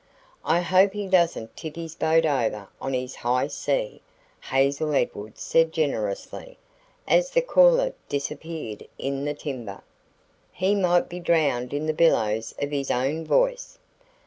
"I hope he doesn't tip his boat over on his 'high C'," Hazel Edwards said generously, as the caller disappeared in the timber. "He might be drowned in the billows of his own voice."